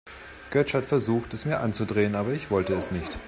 Götsch hat versucht, es mir anzudrehen, aber ich wollte es nicht.